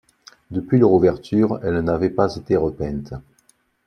Depuis leur ouverture, elles n'avaient pas été repeintes.